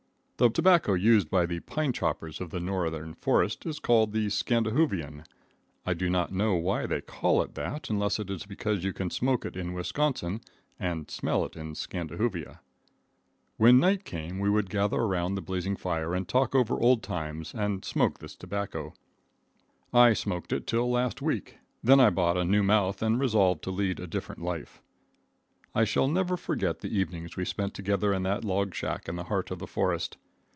The tobacco used by the pine choppers of the northern forest is called the Scandihoovian. I do not know why they call it that, unless it is because you can smoke it in Wisconsin and smell it in Scandihoovia. When night came we would gather around the blazing fire and talk over old times and smoke this tobacco. I smoked it till last week, then I bought a new mouth and resolved to lead a different life. I shall never forget the evenings we spent together in that log shack in the heart of the forest.